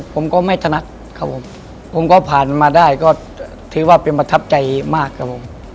ผมก็ไม่ถนัดครับผมผมก็ผ่านมาได้ก็ถือว่าเป็นประทับใจมากครับผม